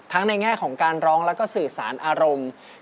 ในแง่ของการร้องแล้วก็สื่อสารอารมณ์